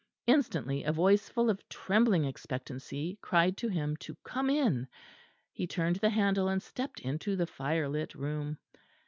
Instantly a voice full of trembling expectancy, cried to him to come in; he turned the handle and stepped into the fire lit room.